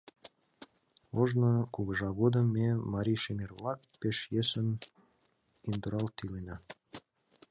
Ожно, кугыжа годым, ме, марий шемер-влак, пеш йӧсын, индыралт иленна.